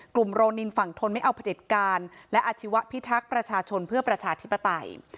โรนินฝั่งทนไม่เอาพระเด็จการและอาชีวะพิทักษ์ประชาชนเพื่อประชาธิปไตย